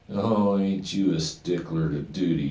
"Oh, ain't you a stickler to duty.